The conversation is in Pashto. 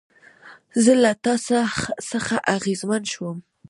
زه له تا څخه اغېزمن شوم